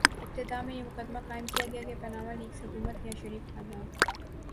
ابتدا میں یہ مقدمہ قائم کیا گیا کہ پاناما لیکس حکومت یا شریف خاندان